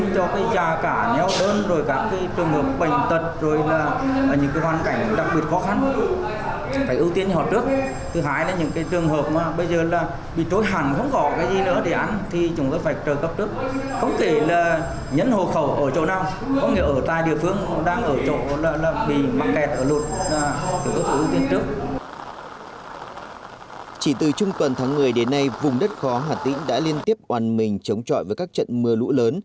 chỉ từ trung tuần tháng một mươi đến nay vùng đất khó hà tĩnh đã liên tiếp oàn mình chống trọi với các trận mưa lũ lớn